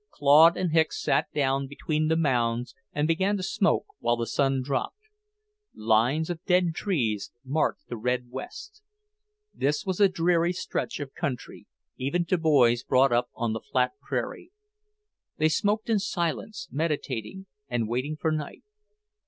Claude and Hicks sat down between the mounds and began to smoke while the sun dropped. Lines of dead trees marked the red west. This was a dreary stretch of country, even to boys brought up on the flat prairie. They smoked in silence, meditating and waiting for night.